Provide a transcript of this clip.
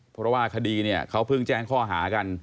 เพราะว่าคดีเนี่ยเขาเพิ่งแจ้งข้อหากัน